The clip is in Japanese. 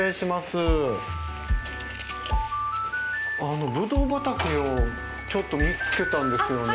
あのブドウ畑をちょっと見つけたんですよね。